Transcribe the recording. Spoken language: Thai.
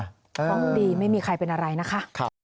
เพราะดีไม่มีใครเป็นอะไรนะคะ